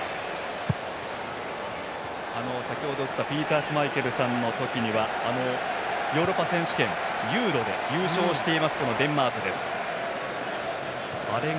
先程映ったピーター・シュマイケルさんの時あのヨーロッパ選手権ＥＵＲＯで優勝していますデンマークです。